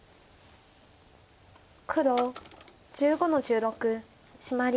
黒１５の十六シマリ。